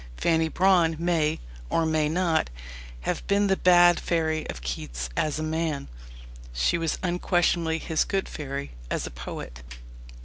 Fanny Brawne may (or may not) have been the bad fairy of Keats as a man. She was unquestionably his good fairy as a poet.